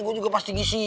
gua juga pasti ngisi